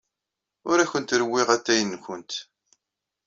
Ur awent-rewwiɣ atay-nwent.